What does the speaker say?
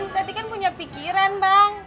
berarti kan punya pikiran bang